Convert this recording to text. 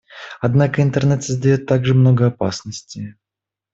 Однако Интернет создает также много опасностей.